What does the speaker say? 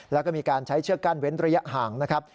แล้วก็มีการใช้เชือกกั้นเว้นระยะห่างนะครับ